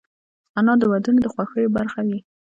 انا د ودونو د خوښیو برخه وي